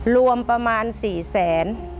รวมประมาณ๔๐๐๐๐๐๐บาท